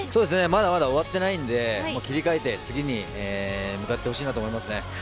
まだまだ終わってないんで切り替えて次に向かってほしいなと思います。